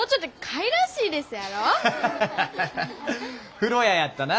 風呂屋やったな。